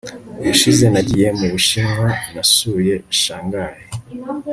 ubushize nagiye mu bushinwa, nasuye shanghai